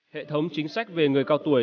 hệ thống chính sách về người cao tuổi